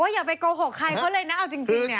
อย่าไปโกหกใครเขาเลยนะเอาจริงเนี่ย